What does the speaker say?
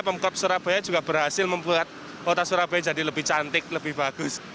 pemkot surabaya juga berhasil membuat kota surabaya jadi lebih cantik lebih bagus